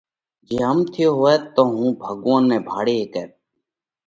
جي هم ٿيو هوئت تو هُون ڀڳوونَ نئہ ڀاۯي هيڪئت